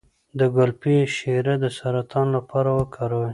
د ګلپي شیره د سرطان لپاره وکاروئ